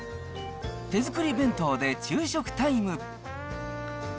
手作り弁当で昼食タイム。